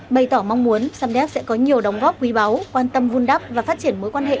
bày tỏ mong muốn samdeck sẽ có nhiều đóng góp quý báu quan tâm vun đắp và phát triển mối quan hệ